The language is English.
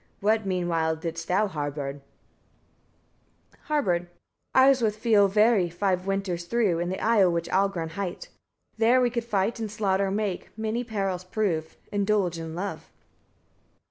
What meanwhile didst thou, Harbard? Harbard. 16. I was with Fiolvari five winters through, in the isle which Algron hight. There we could fight, and slaughter make, many perils prove, indulge in love.